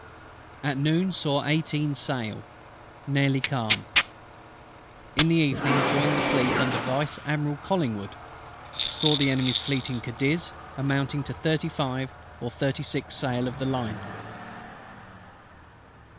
At noon saw eighteen sail. Nearly calm. In the evening joined the Fleet under Vice Admiral COLLINGWOOD. Saw the Enemy's Fleet in Cadiz, amounting to thirty five or thirty six sail of the line.